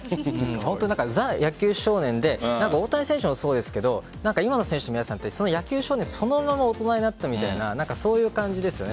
本当に野球少年で大谷選手もそうですが今の選手の皆さん野球少年そのまま大人になったみたいにそういう感じですよね。